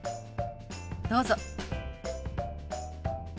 どうぞ。